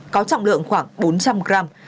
có trọng lượng khoảng bốn trăm linh gram